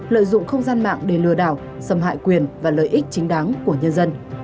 lợi dụng không gian mạng để lừa đảo xâm hại quyền và lợi ích chính đáng của nhân dân